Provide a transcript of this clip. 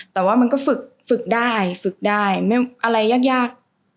แต่ว่ามันก็ฝึกฝึกได้ฝึกได้อะไรยาก